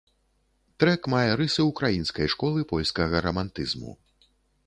Трэк мае рысы ўкраінскай школы польскага рамантызму.